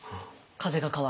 風が変わると。